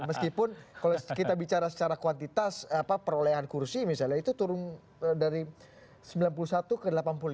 meskipun kalau kita bicara secara kuantitas perolehan kursi misalnya itu turun dari sembilan puluh satu ke delapan puluh lima